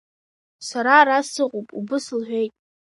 Сара араҟа сыҟоуп убыс, — лҳәеит.